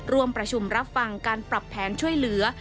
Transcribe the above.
ร่วมประชุมรับฟังการปรับแผนช่วยเหลือ